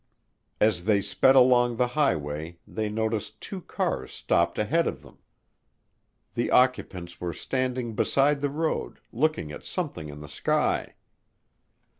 As they sped along the highway they noticed two cars stopped ahead of them. The occupants were standing beside the road, looking at something in the sky.